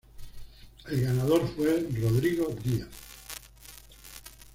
El ganador fue Rodrigo Díaz.